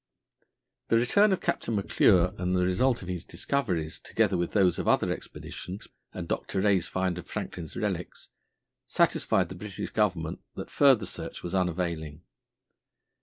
The return of Captain McClure and the result of his discoveries, together with those of other expeditions, and Dr. Rae's find of Franklin relics, satisfied the British Government that further search was unavailing.